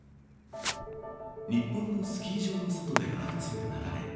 日本のスキー場の外で相次ぐ雪崩。